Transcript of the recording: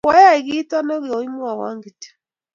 koayei kito ne koimwowo kityo